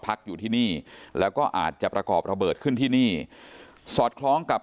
พักอยู่ที่นี่แล้วก็อาจจะประกอบระเบิดขึ้นที่นี่สอดคล้องกับ